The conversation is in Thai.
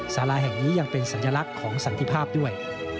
สาราแห่งนี้ยังเป็นสัญลักษณ์ของสันติภาพด้วย